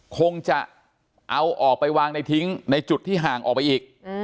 คงจะเอาออกไปวางในทิ้งในจุดที่ห่างออกไปอีก